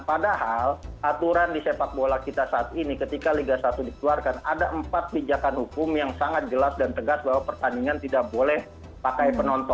padahal aturan di sepak bola kita saat ini ketika liga satu dikeluarkan ada empat pijakan hukum yang sangat jelas dan tegas bahwa pertandingan tidak boleh pakai penonton